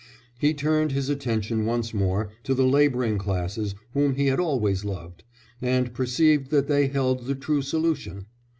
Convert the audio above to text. He turned his attention once more to the labouring classes whom he had always loved, and perceived that they held the true solution.